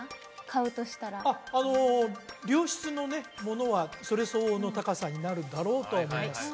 買うとしたらあの良質のねものはそれ相応の高さになるだろうと思います